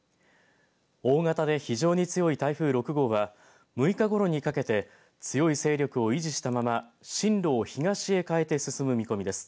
大型で非常に強い台風６号は６日ごろにかけて強い勢力を維持したまま進路を東へ変えて進む見込みです。